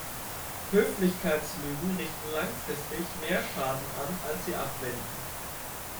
Höflichkeitslügen richten langfristig mehr Schaden an, als sie abwenden.